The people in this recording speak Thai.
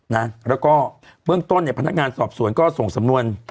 นะแล้วก็เบื้องต้นเนี่ยพนักงานสอบสวนก็ส่งสำนวน